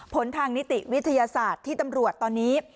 ผลทางนิติวิทยาศาสตร์ที่ตำรวจตอนนี้